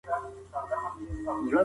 قرآن د عقيدې په انتخاب کي تشدد غندي.